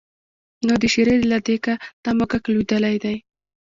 نو د شېرې له دېګه دا موږک لوېدلی دی.